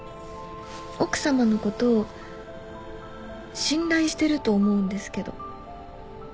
奥様の事を信頼してると思うんですけど。